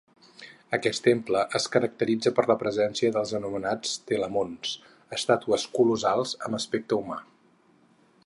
Aquest temple es caracteritza per la presència dels anomenats telamons, estàtues colossals amb aspecte humà.